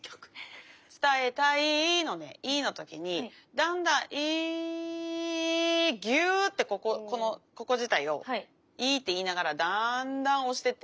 「つたえたい」の「い」の時にだんだんいギューッてこのここ自体をいって言いながらだんだん押してってみて下さい。